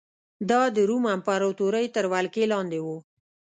دا د روم امپراتورۍ تر ولکې لاندې و